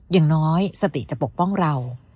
อย่างน้อยสติจะปกป้องเรา